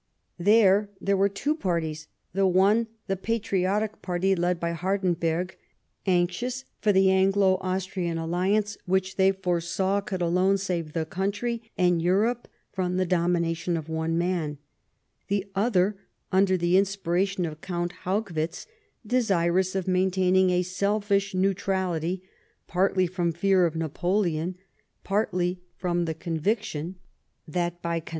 There, there were two parties — the one, the patriotic party, led by Ilardenberg, anxious for the Anglo Austrian alliance, which, they foresaw, could alone save the country and Europe from the domination of one man ; the other, under the inspiration of Count Ilaugwitz, desirous of maintaining a selfish neutrality, partly from fear of Napoleon, partly from the conviction that by con EABLY TBAINING.